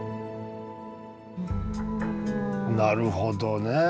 なるほどね。